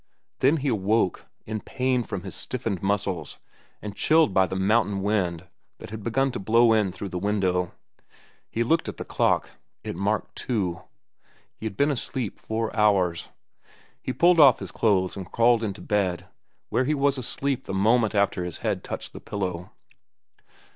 Then he awoke, in pain from his stiffened muscles and chilled by the mountain wind that had begun to blow in through the window. He looked at the clock. It marked two. He had been asleep four hours. He pulled off his clothes and crawled into bed, where he was asleep the moment after his head touched the pillow.